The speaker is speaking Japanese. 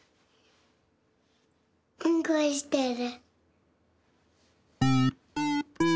うんこしてる。